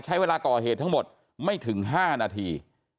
ใช้เวลาก่อเหตุทั้งหมดไม่ถึง๕นาที